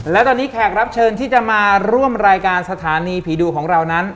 และตอนนี้แขกรับเชิญที่จะมาร่วมรายการสถานีผีดุของเรานั้น